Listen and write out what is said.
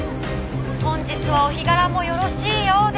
本日はお日柄もよろしいようで。